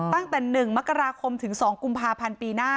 ตั้งแต่๑มกราคมถึง๒กุมภาพันธ์ปีหน้า